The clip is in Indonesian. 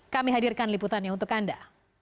kami hadirkan liputannya untuk anda